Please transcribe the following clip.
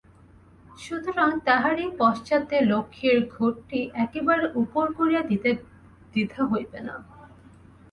সুতরাং তাহারই পশ্চাতে লক্ষ্মীর ঘটটি একবারে উপুড় করিয়া দিতে দ্বিধা হইবে না।